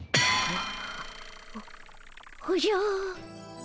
おおじゃ。